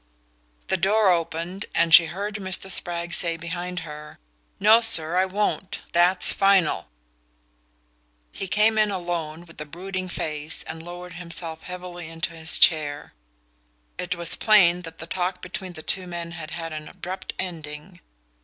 The door opened, and she heard Mr. Spragg say behind her: "No, sir, I won't that's final." He came in alone, with a brooding face, and lowered himself heavily into his chair. It was plain that the talk between the two men had had an abrupt ending.